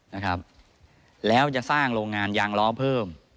นะครับแล้วจะสร้างโรงงานยางล้อเพิ่ม